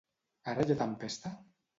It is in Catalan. Ara hi ha tempesta?